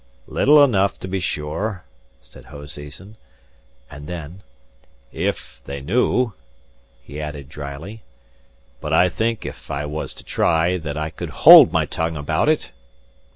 "Little enough, to be sure," said Hoseason; and then, "if they knew," he added, drily. "But I think, if I was to try, that I could hold my tongue about it."